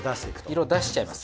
色出しちゃいます。